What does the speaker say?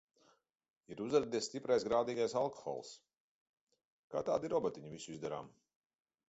Ir uzradies stiprais grādīgais alkohols. Kā tādi robotiņi visu izdarām.